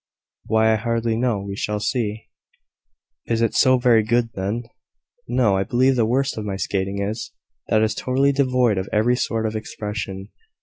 "Why, I hardly know. We shall see." "Is it so very good, then?" "No. I believe the worst of my skating is, that it is totally devoid of every sort of expression.